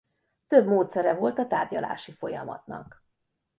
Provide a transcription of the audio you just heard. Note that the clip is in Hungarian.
Több módszere volt a tárgyalási folyamatnak.